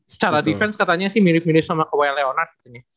secara defense katanya sih mirip mirip sama kewayang leonard